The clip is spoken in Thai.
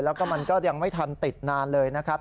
แล้วก็มันก็ยังไม่ทันติดนานเลยนะครับ